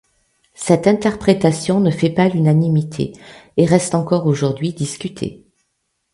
Cette interprétation ne fait pas l'unanimité et reste encore aujourd'hui discutée.